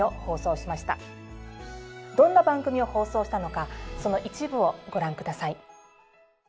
どんな番組を放送したのかその一部をご覧下さい。